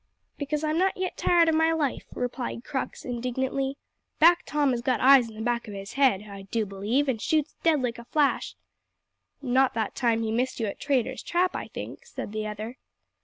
"Because I'm not yet tired o' my life," replied Crux, indignantly. "Back Tom has got eyes in the back o' his head, I do believe, and shoots dead like a flash " "Not that time he missed you at Traitor's Trap, I think," said the other.